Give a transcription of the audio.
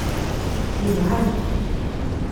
Yemɛen.